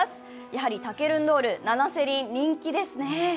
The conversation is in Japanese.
やはりタケルンドールナナセリン、人気ですね。